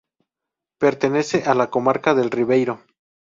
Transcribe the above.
Pertenece a la Comarca del Ribeiro.